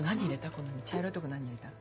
この茶色とこ何入れた？